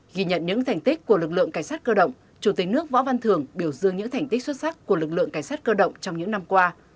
ghi nhận những thành tích của lực lượng cảnh sát cơ động chủ tịch nước võ văn thường biểu dương những thành tích xuất sắc của lực lượng cảnh sát cơ động trong những năm qua